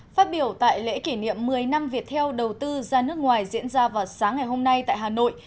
phát biểu tại lễ kỷ niệm một mươi năm việt theo đầu tư ra nước ngoài diễn ra vào sáng ngày hôm nay tại hà nội